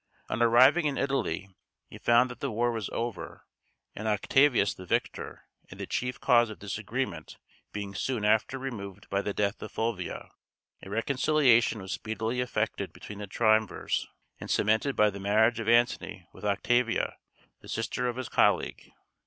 On arriving in Italy he found that the war was over, and Octavius the victor; and the chief cause of disagreement being soon after removed by the death of Fulvia, a reconciliation was speedily effected between the triumvirs, and cemented by the marriage of Antony with Octavia, the sister of his colleague.